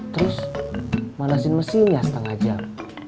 terus manasin mesinnya setengah jam